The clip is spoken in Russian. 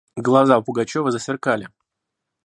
Глаза у Пугачева засверкали.